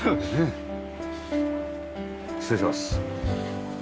失礼します。